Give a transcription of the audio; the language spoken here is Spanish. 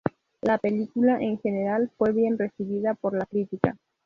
La película en general fue bien recibida por la crítica.